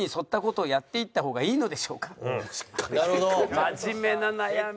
真面目な悩み。